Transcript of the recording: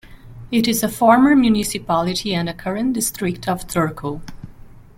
It is a former municipality and a current district of Turku.